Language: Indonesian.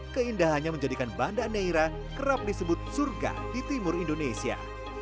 keindahannya menjadikan banda neira kerap disebut surga di timur indonesia